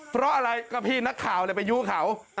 เพราะอะไรก็พี่นักข่าวเลยไปยู้เขา